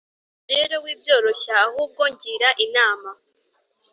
rero wibyoroshya ahubwo ngira inama"